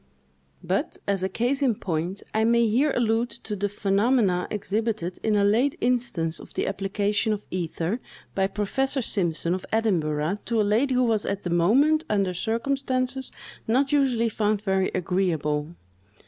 But, as a case in point, I may here allude to the phenomena exhibited in a late instance of the application of ether, by Professor Simpson, of Edinburgh, to a lady who was at the moment under circumstances not usually found very agreeable.